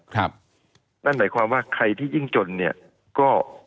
ครับนั่นในความว่าใครที่ยิ่งจนเนี้ยก็